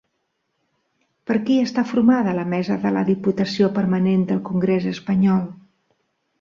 Per qui està formada la mesa de la diputació permanent del congrés espanyol?